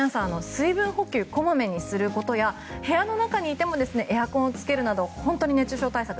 水分補給をこまめにすることや部屋の中にいてもエアコンをつけるなど本当に熱中症対策